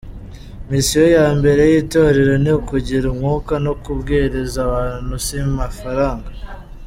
Misiyo ya mbere y’itorero ni ukugira umwuka no kubwiriza abantu si amafaranga.